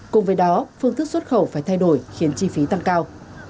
cùng với đó phương thức xuất khẩu phải thay đổi khiến chi phí tăng cao